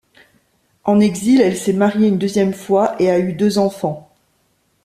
En exil elle s'est mariée une deuxième fois et a eu deux enfants.